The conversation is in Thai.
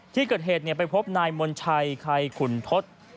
ที่เกิดเหตุไปพบนายมนชัยไข่ขุนทศ